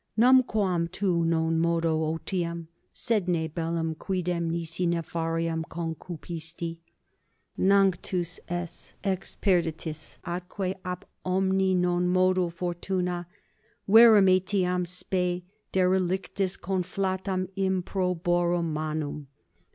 Numquam tu non modo otium, sed ne bellum quidem nisi nefarium concupisti. Nanctus es ex perditis atque ab omni non modo fortuna, verum etiam spe derelictis conflatam improborum manum.